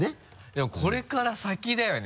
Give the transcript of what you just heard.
でもこれから先だよね